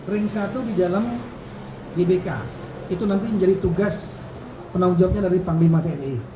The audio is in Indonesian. ring satu di dalam gbk itu nanti menjadi tugas penanggung jawabnya dari panglima tni